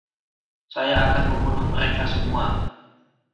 Saya akan membunuh mereka semua!